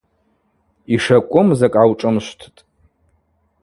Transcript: Йшакӏвым закӏ гӏаушӏымшвттӏ.